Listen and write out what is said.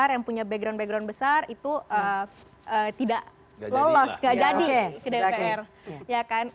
yang punya background background besar itu tidak lolos gak jadi ke dpr